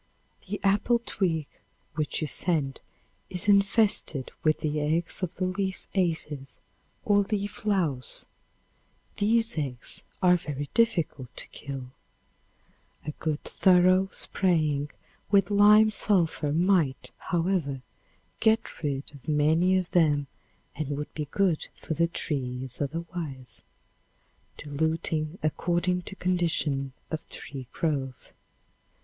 The apple twig which you send is infested with the eggs of the leaf aphis or leaf louse. These eggs are very difficult to kill. A good thorough spraying with lime sulphur might, however, get rid of many of them and would be good for the trees otherwise diluting according to condition of tree growth.